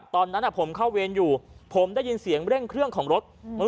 ตอนนั้นผมเข้าเวรอยู่ผมได้ยินเสียงเร่งเครื่องของรถ